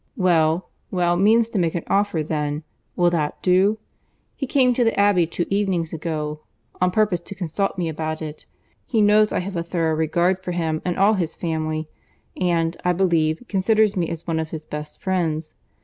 "Well, well, means to make her an offer then. Will that do? He came to the Abbey two evenings ago, on purpose to consult me about it. He knows I have a thorough regard for him and all his family, and, I believe, considers me as one of his best friends.